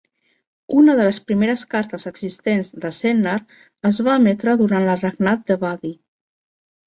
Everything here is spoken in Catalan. Una de les primeres cartes existents de Sennar es va emetre durant el regnat de Badi.